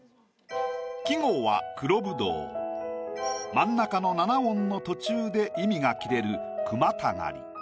真ん中の７音の途中で意味が切れる句またがり。